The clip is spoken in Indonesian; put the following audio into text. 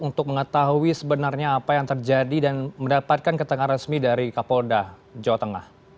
untuk mengetahui sebenarnya apa yang terjadi dan mendapatkan ketenggaran resmi dari kapolda jawa tengah